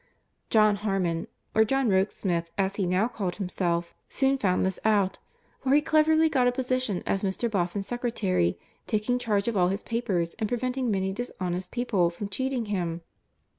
John Harmon (or John Rokesmith, as he now called himself), soon found this out, for he cleverly got a position as Mr. Boffin's secretary, taking charge of all his papers and preventing many dishonest people from cheating him.